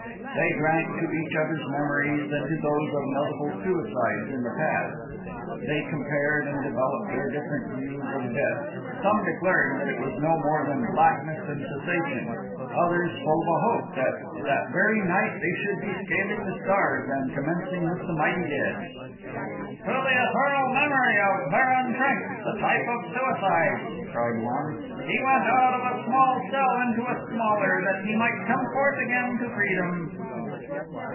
They drank to each other's memories, and to those of notable suicides in the past. They compared and developed their different views of death—some declaring that it was no more than blackness and cessation; others full of a hope that that very night they should be scaling the stars and commencing with the mighty dead. "To the eternal memory of Baron Trenck, the type of suicides!" cried one. "He went out of a small cell into a smaller, that he might come forth again to freedom."